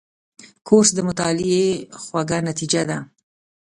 کورس د مطالعې خوږه نتیجه ده.